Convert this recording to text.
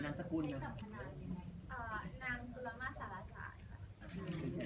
นางสกุลก็ค่ะ